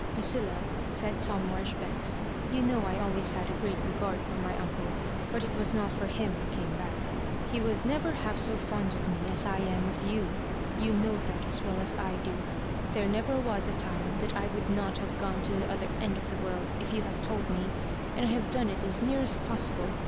" LuciUa," said Tom Maijoribanks, you know I always had a great regard for my undo. Bnt it was not for him I came back. He was never half so fond of me as I am of you. Tou Know that as well as I do. There never was a time that I would not have gone to the other end of the world if you had told me ; and I have done it as near as possible.